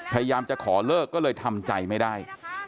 พยายามจะขอเลิกก็เลยทำใจไม่ได้